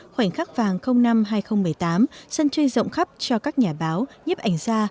khoảnh khắc vàng năm hai nghìn một mươi tám dân chơi rộng khắp cho các nhà báo nhếp ảnh ra